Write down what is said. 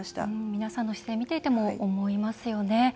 皆さんの姿勢見ていても思いますよね。